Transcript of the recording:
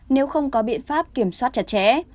nếu không có biện pháp kiểm soát chặt chẽ